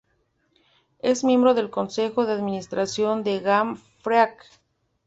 Es miembro del consejo de administración de Game Freak.